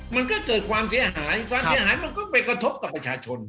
มันก็เกิดความเสียหายความเสียหายมันก็ไปกระทบกับประชาชน